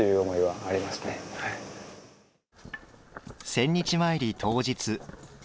千日詣り当日。